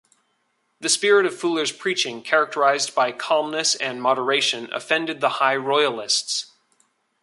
The spirit of Fuller's preaching, characterized by calmness and moderation, offended the high royalists.